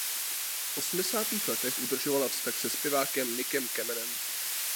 V osmdesátých letech udržovala vztah se zpěvákem Nickem Kamenem.